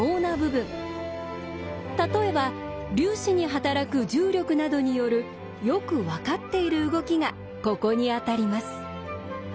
例えば粒子に働く重力などによるよく分かっている動きがここに当たります。